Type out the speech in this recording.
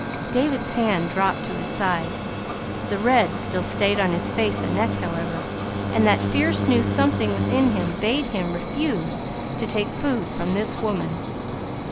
David's hand dropped to his side. The red still stayed on his face and neck, however, and that fierce new something within him bade him refuse to take food from this woman....